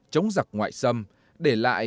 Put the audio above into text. chống giặc ngoại xâm để lại